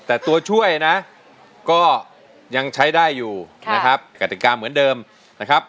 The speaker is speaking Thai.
แต่ตัวช่วยนะก็ยังใช้ได้อยู่นะครับกติกาเหมือนเดิมนะครับ